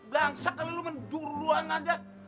langsak kali lo menduruan aja